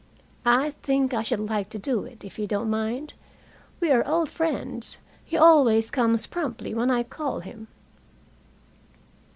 "I think I should like to do it, if you don't mind. We are old friends. He always comes promptly when I call him."